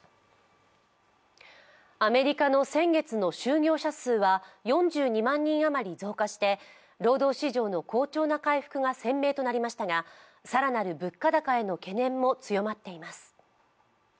アメリカの先月の就業者数は４２万人余り増加して、労働市場の好調な回復が鮮明となりましたが、更なる物価高への懸念も強まっています。